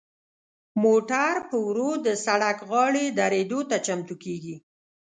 موټر په ورو د سړک غاړې دریدو ته چمتو کیږي.